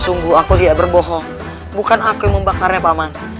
sungguh aku tidak berbohong bukan aku yang membakarnya paman